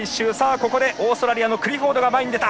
ここでオーストラリアのクリフォードが前に出た。